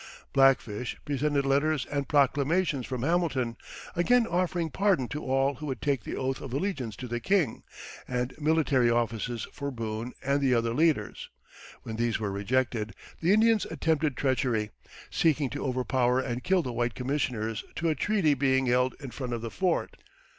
Black Fish presented letters and proclamations from Hamilton, again offering pardon to all who would take the oath of allegiance to the king, and military offices for Boone and the other leaders. When these were rejected, the Indians attempted treachery, seeking to overpower and kill the white commissioners to a treaty being held in front of the fort.